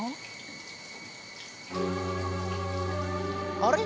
あれ？